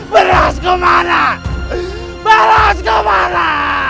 beras gua mana beras gua mana